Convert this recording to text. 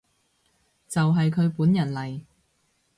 就係佢本人嚟